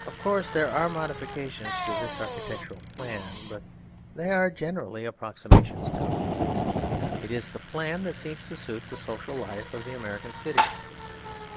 Of course there are modifications of this architectural plan, but they are generally approximations to it; it is the plan that seems to suit the social life of the American cities.